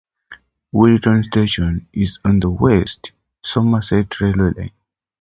Williton station is on the West Somerset Railway line.